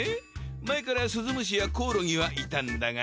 前からスズムシやコオロギはいたんだが。